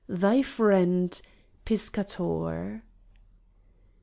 —Thy friend, PISCATOR.